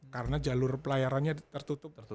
karena jalur pelayarannya tertutup